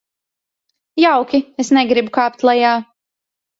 Jauki, es negribu kāpt lejā.